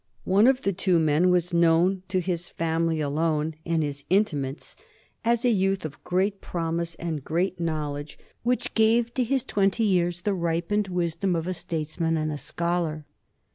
One of the two men was known to his family alone, and his intimates, as a youth of great promise and great knowledge, which gave to his twenty years the ripened wisdom of a statesman and a scholar.